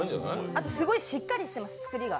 あと、すごいしっかりしてます、作りが。